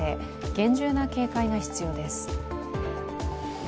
厳重な警戒が必要です。